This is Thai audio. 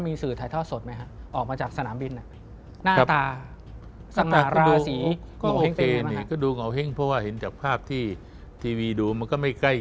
ดูเหงอะเพราะคุณธักษินทร์ได้เห็นไปโดยทีวีไม่ใกล้